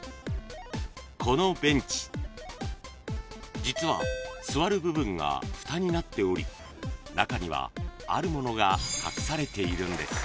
［このベンチ実は座る部分がふたになっており中にはあるものが隠されているんです］